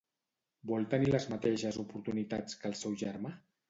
Vol tenir les mateixes oportunitats que el seu germà?